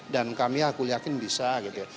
dan kami aku yakin bisa gitu ya